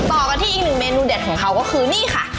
ต่อกันที่อีกหนึ่งเมนูเด็ดของเขาก็คือนี่ค่ะ